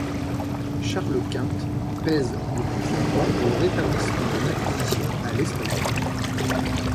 Charles Quint pèse de tout son poids pour le rétablissement d'une Inquisition à l'espagnole.